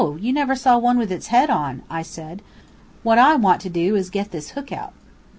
you never saw one with its head on," I said. "What I want to do is to get this hook out."